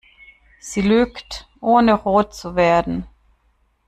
Sie lügt, ohne rot zu werden.